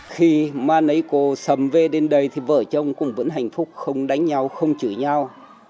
khi ma nấy cô sâm về đến đây thì vợ chồng cũng vẫn hạnh phúc không đánh nhau không chửi nhau